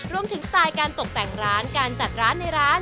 สไตล์การตกแต่งร้านการจัดร้านในร้าน